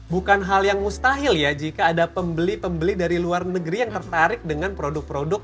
bukan hal yang mustahil ya jika ada pembeli pembeli dari luar negeri yang tertarik dengan produk produk